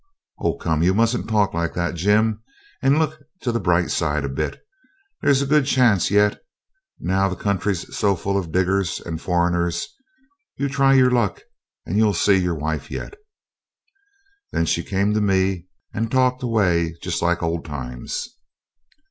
'Oh, come, you mustn't talk like that, Jim, and look to the bright side a bit. There's a good chance yet, now the country's so full of diggers and foreigners. You try your luck, and you'll see your wife yet.' Then she came to me, and talked away just like old times.